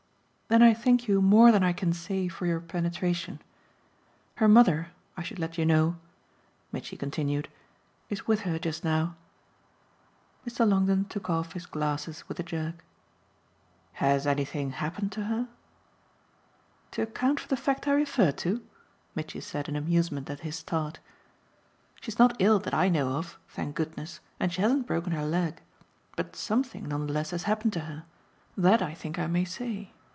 "Then I thank you more than I can say for your penetration. Her mother, I should let you know," Mitchy continued, "is with her just now." Mr. Longdon took off his glasses with a jerk. "Has anything happened to her?" "To account for the fact I refer to?" Mitchy said in amusement at his start. "She's not ill, that I know of, thank goodness, and she hasn't broken her leg. But something, none the less, has happened to her that I think I may say.